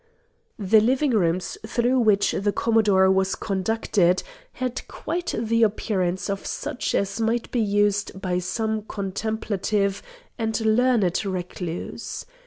The living rooms through which the Commodore was conducted had quite the appearance of such as might be used by some contemplative and learned recluse.